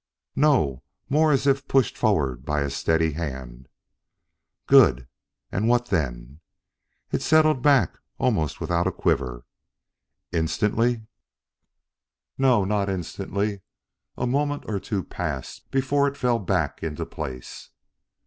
"No, more as if pushed forward by a steady hand." "Good! And what then?" "It settled back almost without a quiver." "Instantly?" "No, not instantly. A moment or two passed before it fell back into place."